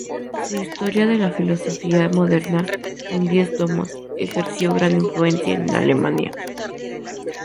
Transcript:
Su "Historia de la filosofía moderna", en diez tomos, ejerció gran influencia en Alemania.